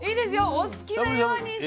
お好きなようにして。